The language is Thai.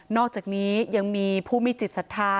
อกจากนี้ยังมีผู้มีจิตศรัทธา